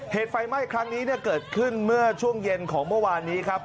เหตุไฟไหม้ครั้งนี้เกิดขึ้นเมื่อช่วงเย็นของเมื่อวานนี้ครับ